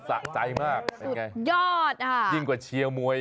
สะใจมากเป็นอย่างไรสุดยอดค่ะยิ่งกว่าเชียร์มุม